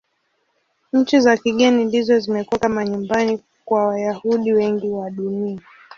Nchi za kigeni ndizo zimekuwa kama nyumbani kwa Wayahudi wengi wa Dunia.